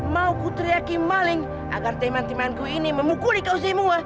mau ku teriaki maling agar teman temanku ini memukul ikau semua